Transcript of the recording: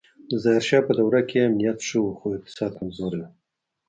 د ظاهر شاه په دوره کې امنیت ښه و خو اقتصاد کمزوری و